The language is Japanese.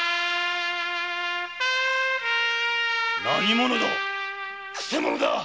何者だ？